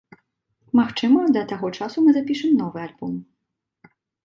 Магчыма, да таго часу мы запішам новы альбом.